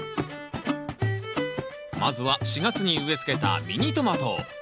まずは４月に植えつけたミニトマト。